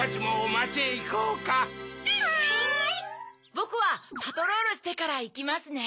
ボクはパトロールしてからいきますね。